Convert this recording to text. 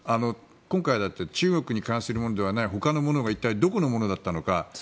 今回だって中国に関するものではないほかのものが一体どこのものだったのか。